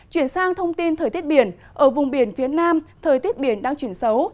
chuyển sang thông tin thời tiết biển ở vùng biển phía nam thời tiết biển đang chuyển xấu